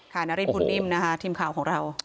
นาริสบุญนิ่มนะคะทีมข่าวของเรา